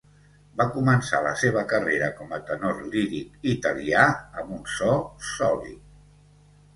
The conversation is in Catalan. Va començar la seva carrera com a tenor líric italià amb un so, sòlid.